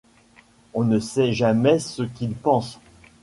On ne sait jamais ce qu'il pense.